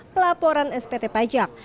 pelaporan spt pajak